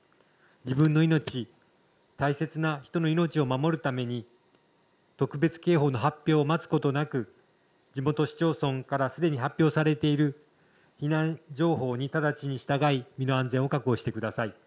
自分の命、大切な人の命を守るために特別警報の発表を待つことなく地元市町村からすでに発表されている避難情報に直ちに従い身の安全を確保してください。